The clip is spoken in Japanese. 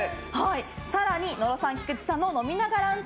更に、野呂さん、菊地さんの飲みながランチ！